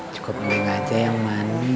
cukup minum aja yang manis